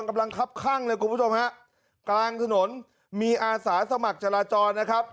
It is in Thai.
ครับข้างเลยคุณผู้ชมฮะกลางถนนมีอาสาสมัครจราจรนะครับ